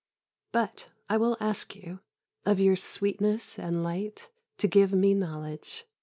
But I will ask you, of your sweetness and light, to give me knowledge.